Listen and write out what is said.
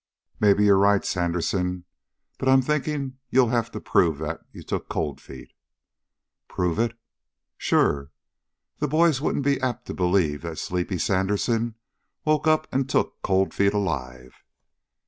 "Maybe you're right, Sandersen, but I'm thinking you'd have to prove that you took Cold Feet.' "Prove it?" "Sure! The boys wouldn't be apt to believe that sleepy Sandersen woke up and took Cold Feet alive."